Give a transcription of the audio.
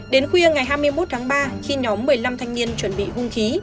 đến khuya ngày hai mươi một tháng ba khi nhóm một mươi năm thanh niên chuẩn bị hung khí